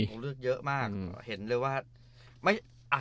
ตัวเลือกเยอะมากเห็นเลยว่า